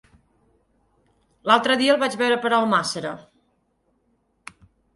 L'altre dia el vaig veure per Almàssera.